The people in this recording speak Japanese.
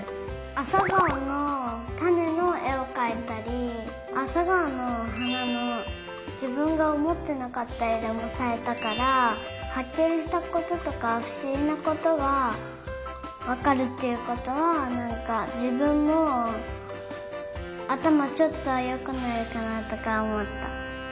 あさがおのたねのえをかいたりあさがおのはなのじぶんがおもってなかったいろもさいたからはっけんしたこととかふしぎなことがわかるっていうことはなんかじぶんもあたまちょっとはよくなるかなとかおもった。